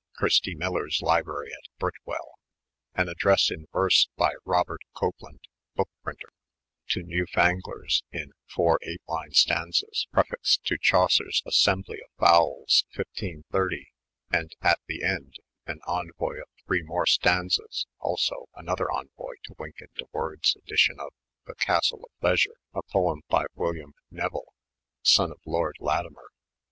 Christie Miller's Library at Britwell^) ; an address in verse by 'Roberte Coplande, boke prynter, to new fanglers,' in four 8 line stanzas, prefixed to Chaucer's Assemhli of Foules 1530, and at the end, an Envoy of 3 more stanzas ; also another Envoy to W3mk3m de Worde's edition of 'The Castell of Pleasure,' a poem by William Nevyl, son of Lord Latimer*.